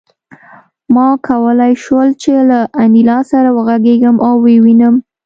ما کولای شول چې له انیلا سره وغږېږم او ویې وینم